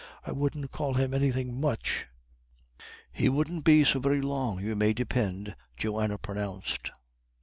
I wouldn't call him anythin' much." "He wouldn't be so very long, you may depind," Johanna pronounced.